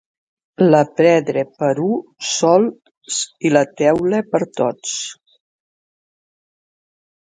La pedra per u sols i la neula per tots.